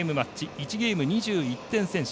１ゲーム２１点先取。